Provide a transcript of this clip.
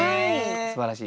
すばらしい。